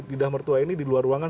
lidah mertua ini di luar ruangan